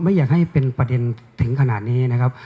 ไม่อยากให้เป็นประเด็นถึงขนาดนี้นะครับ